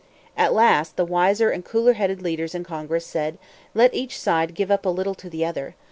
At last, the wiser and cooler headed leaders in Congress said, "Let each side give up a little to the other.